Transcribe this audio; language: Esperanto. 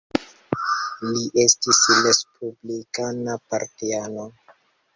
Li estis respublikana partiano.